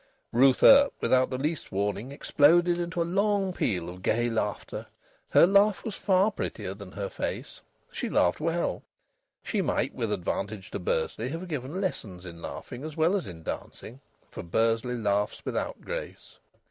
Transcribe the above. Ruth Earp, without the least warning, exploded into a long peal of gay laughter. Her laugh was far prettier than her face. She laughed well. She might, with advantage to Bursley, have given lessons in laughing as well as in dancing, for Bursley laughs without grace.